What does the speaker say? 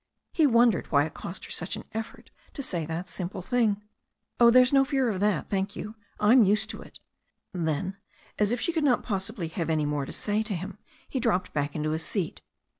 He wondered why it cost her such an effort to say that simple thing. "Oh, there's no fear of that, thank you. I'm used to it. Then, as if she could not possibly have any more to say to him, he dropped back into his seat.